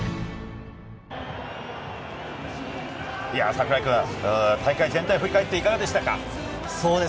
櫻井くん、大会全体を振り返って、いかがでしたか？